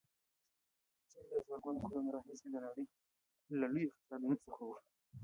چین له زرګونو کلونو راهیسې د نړۍ له لویو اقتصادونو څخه و.